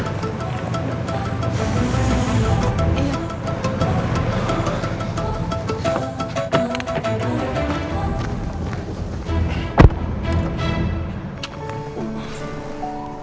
terima kasih dok ya